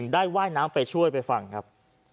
ได้ว่ายน้ำไปช่วยไปฟังครับ